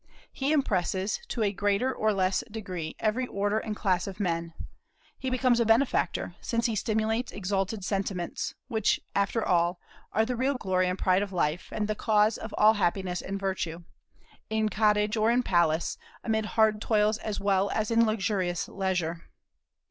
He impresses, to a greater or less degree, every order and class of men. He becomes a benefactor, since he stimulates exalted sentiments, which, after all, are the real glory and pride of life, and the cause of all happiness and virtue, in cottage or in palace, amid hard toils as well as in luxurious leisure.